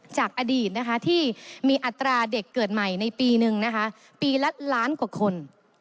จากอดีตนะคะที่มีอัตราเด็กเกิดใหม่ในปีนึงนะคะปีละล้านกว่าคน